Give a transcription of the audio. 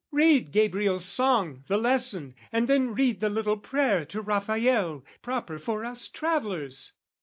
Read Gabriel's song, "The lesson, and then read the little prayer "To Raphael, proper for us travellers!"